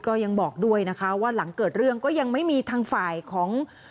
ก็ยังบอกด้วยนะคะว่าหลังเกิดเรื่องก็ยังไม่มีทางฝ่ายของ